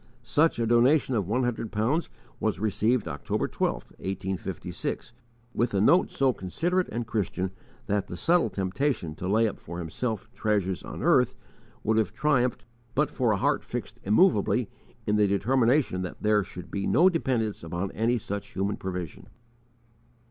Such a donation of one hundred pounds was received October 12, 1856, with a note so considerate and Christian that the subtle temptation to lay up for himself treasures on earth would have triumphed but for a heart fixed immovably in the determination that there should be no dependence upon any such human provision.